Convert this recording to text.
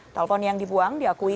telepon yang dibuang diakui